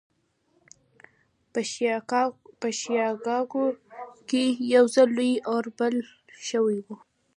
په شيکاګو کې يو ځل لوی اور بل شوی و.